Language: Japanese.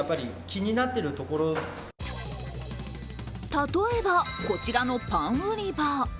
例えば、こちらのパン売り場。